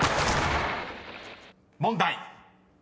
［問題］